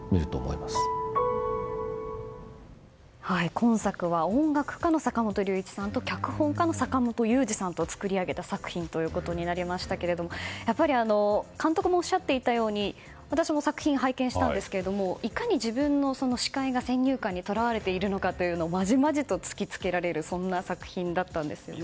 今作は音楽家の坂本龍一さんと脚本家の坂元裕二さんと作り上げた作品となりましたけど監督もおっしゃっていたように私も作品を拝見したんですがいかに自分の視界が先入観にとらわれているのかをまじまじと突きつけられる作品だったんですよね。